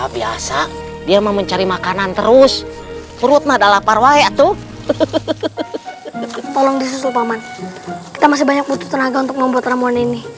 biasa dia mau mencari makanan terus perutnya adalah parwaya tuh tolong disusul paman kita masih banyak butuh tenaga untuk membuat obat ini